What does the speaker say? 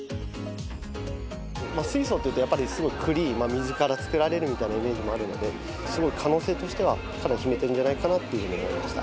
水素っていうと、やっぱりすごいクリーン、水から作られるみたいなイメージもあるので、すごい可能性としてはかなり秘めてるんじゃないかなと思いました。